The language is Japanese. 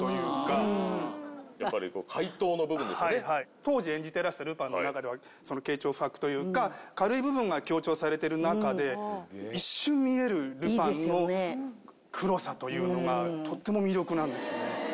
当時演じていらしたルパンの中では軽佻浮薄というか軽い部分が強調されてる中で一瞬見えるルパンの黒さというのがとっても魅力なんですよね。